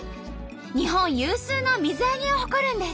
日本有数の水揚げを誇るんです。